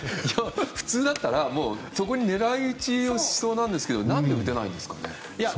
普通だったらそこに狙い打ちしそうですが何で打てないんですかね？